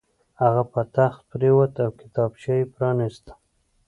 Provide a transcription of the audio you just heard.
هغه په تخت پرېوت او کتابچه یې پرانیسته